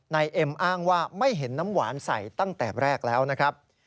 เอ็มอ้างว่าไม่เห็นน้ำหวานใส่ตั้งแต่แรกแล้วนะครับ